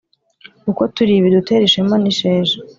uko turi bidutere ishema n’isheja